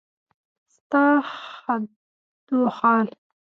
ستا خدوخال